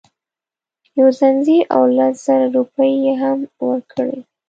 یو ځنځیر او لس زره روپۍ یې هم ورکړې.